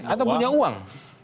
atau punya uang